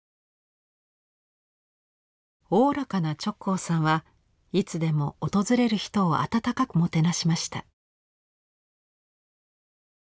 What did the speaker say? おおらかな直行さんはいつでも訪れる人を温かくもてなしました。